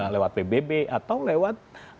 lewat pbb atau lewat